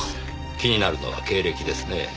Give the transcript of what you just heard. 気になるのは経歴ですねぇ。